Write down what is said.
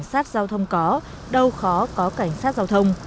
cảnh sát giao thông có đâu khó có cảnh sát giao thông